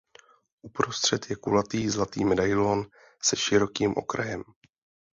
Uprostřed je kulatý zlatý medailon se širokým okrajem.